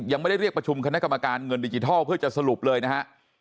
ยังไม่ได้เรียกประชุมคณะกรรมการเงินดิจิทัลเพื่อจะสรุปเลยนะฮะ